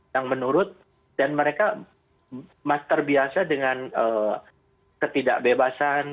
yang menurut dan mereka terbiasa dengan ketidakbebasan